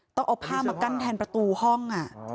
ต้องเอาผ้ามากั้นแทนประตูห้อง